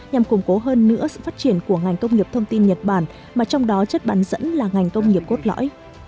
nhằm củng cố hơn nữa sự phát triển của ngành công nghiệp thông tin nhật bản mà trong đó chất bán dẫn là ngành công nghiệp cốt lõi